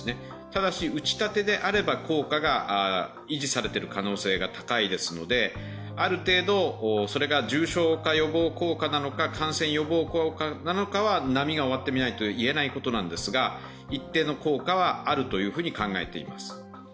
ただし打ちたてであれば効果が維持されてる可能性が高いですのである程度、それが重症化、予防効果なのか感染予防効果なのかは波が終わってみないと言えないことなんですが、一定の効果はあるというふうに考えています。